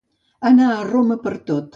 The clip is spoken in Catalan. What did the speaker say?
Anar a Roma per tot.